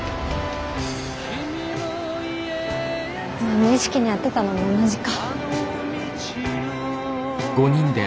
無意識にやってたのも同じか。